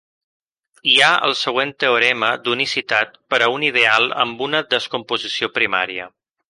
Hi ha el següent teorema d'unicitat per a un ideal amb una descomposició primària.